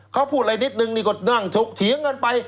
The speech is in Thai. เขาพูดอะไรนิดนึงนี่ก็นั่งชกเถียงกันไป